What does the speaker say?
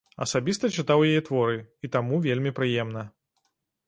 Асабіста чытаў яе творы, і таму вельмі прыемна.